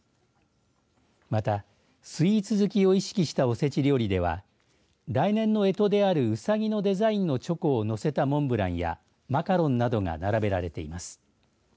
またスイーツ好きを意識したおせち料理では来年のえとであるうさぎのデザインのチョコを載せたモンブランやマカロンなどが並べられています。